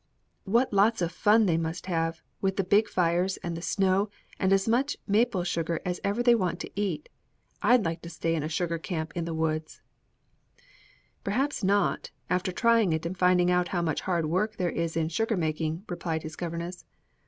"What lots of fun they must have, with the big fires and the snow and as much maple sugar as ever they want to eat! I'd like to stay in a sugar camp in the woods." [Illustration: MAKING MAPLE SUGAR.] "Perhaps not, after trying it and finding how much hard work there is in sugar making," replied his governess.